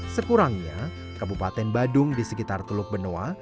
sekurangnya kabupaten badung di sekitar teluk benoa